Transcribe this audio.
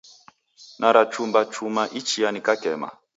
Narachumbachuma ichia nakema.